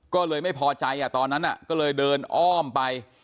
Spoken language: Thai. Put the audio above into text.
ก็เลยไม่พอใจตอนนั้นก็เลยเดินอ้อมไป